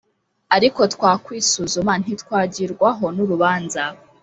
Ariko twakwisuzuma ntitwagirwaho n'urubanza.